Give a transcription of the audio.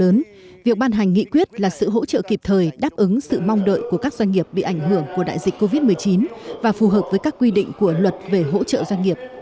tuy nhiên việc ban hành nghị quyết là sự hỗ trợ kịp thời đáp ứng sự mong đợi của các doanh nghiệp bị ảnh hưởng của đại dịch covid một mươi chín và phù hợp với các quy định của luật về hỗ trợ doanh nghiệp